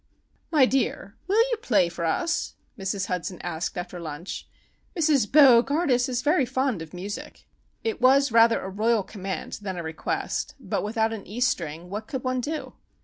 "My dear, will you play for us?" Mrs. Hudson asked after lunch. "Mrs. Bo gardus is very fond of music." It was rather a royal command than a request, but without an e string what could one do?